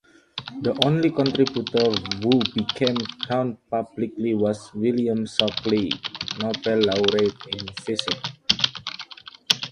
The only contributor who became known publicly was William Shockley, Nobel laureate in physics.